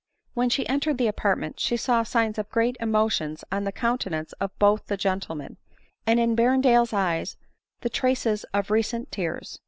When she entered the apartment, she saw signs of great emotion in the countenance of both the gentlemen ; and in Berrendale's eyes the traces of recent tears.